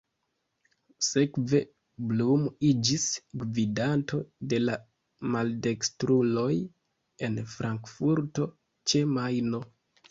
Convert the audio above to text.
Sekve Blum iĝis gvidanto de la maldekstruloj en Frankfurto ĉe Majno.